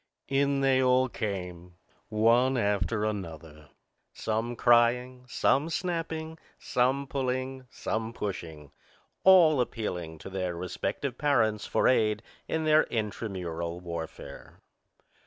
In they all came, one after another, some crying, some snapping, some pulling, some pushing all appealing to their respective parents for aid in their intra mural warfare.